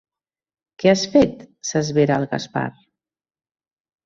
Què has fet? —s'esvera el Gaspar.